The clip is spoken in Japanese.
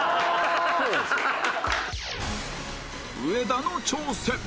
上田の挑戦